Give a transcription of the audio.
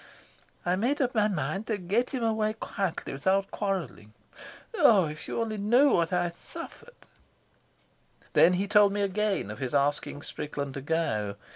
I made up my mind to get him away quietly, without quarrelling. Oh, if you only knew what I've suffered!" Then he told me again of his asking Strickland to go.